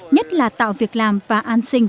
nhất là tạo việc làm và an sinh